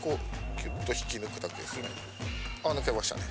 あっ抜けましたね。